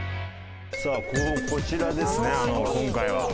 さあこちらですね今回は。